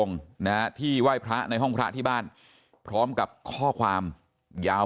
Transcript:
นะฮะที่ไหว้พระในห้องพระที่บ้านพร้อมกับข้อความยาว